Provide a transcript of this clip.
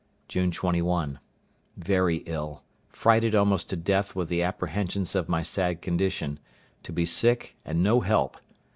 June 21.—Very ill; frighted almost to death with the apprehensions of my sad condition—to be sick, and no help.